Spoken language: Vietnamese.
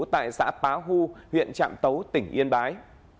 tại xã bá hu huyện trạm tấu tỉnh yên bái